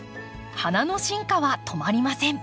花の進化は止まりません。